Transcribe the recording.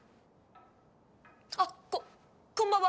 あっこっこんばんは！